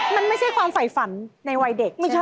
มันไม่ใช่ความฝ่ายฝันในวัยเด็ก